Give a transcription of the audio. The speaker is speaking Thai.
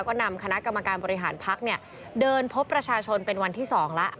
ก็นำคณะกรรมการบริหารพักเนี่ยเดินพบประชาชนเป็นวันที่๒แล้ว